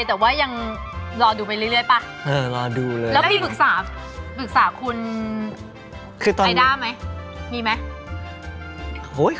แต่ว่ายังรอดูไปเรื่อยป่ะแล้วมีปรึกษาคุณไอด้าไหมมีไหม